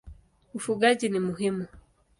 Ufugaji ni muhimu.